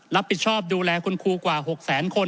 รับผิดชอบดูแลคุณครูกว่า๖แสนคน